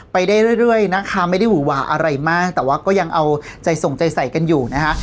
ไปได้เรื่อยนะคะไม่ได้หวูหวาอะไรมากแต่ว่าก็ยังเอาใจส่งใจใส่กันอยู่นะคะ